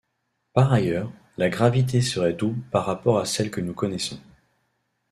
Par ailleurs, la gravité serait double par rapport à celle que nous connaissons.